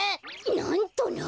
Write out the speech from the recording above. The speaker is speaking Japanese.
なんとな！